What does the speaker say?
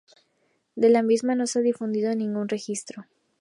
De la misma no se ha difundido ningún registro.